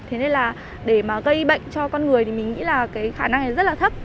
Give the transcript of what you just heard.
thế nên là để mà gây bệnh cho con người thì mình nghĩ là cái khả năng này rất là thấp